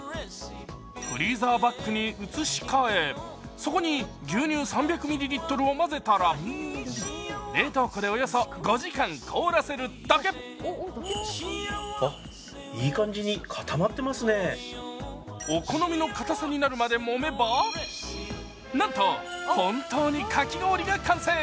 フリーザーバッグに移し替えそこに牛乳３００ミリリットルを混ぜたらお好みの硬さになるまでもめば、なんと本当にかき氷が完成